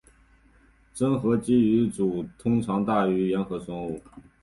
真核基因组通常大于原核生物。